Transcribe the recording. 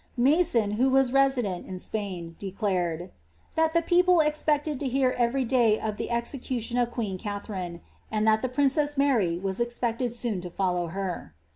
Mason, who was resident in Spain, declared, ^that the people expected to hear every day of the execution of queen Katharine, and that the princess Mary was expected soon to follow her.''